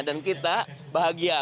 dan kita bahagia